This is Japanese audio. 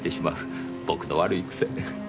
僕の悪い癖。